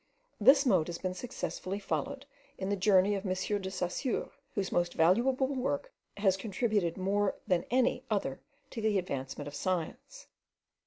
This mode has been successfully followed in the journey of M. de Saussure, whose most valuable work has contributed more than any other to the advancement of science.